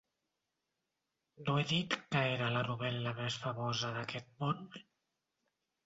-¿No he dit que era la novel·la més famosa d'aquest món?